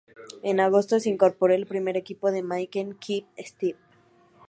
En agosto se incorporó al primer equipo de Mapei-Quick Step.